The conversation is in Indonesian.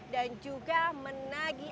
dan juga menagi